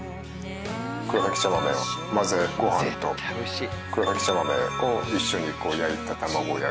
黒埼茶豆の混ぜごはんと黒埼茶豆を一緒に焼いた卵焼き。